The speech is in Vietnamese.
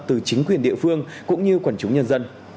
từ chính quyền địa phương cũng như quần chúng nhân dân